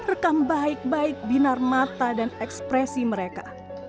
rekam baik baik binar mata dan ekspresi mereka